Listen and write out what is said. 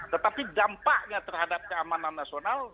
tetapi dampaknya terhadap keamanan nasional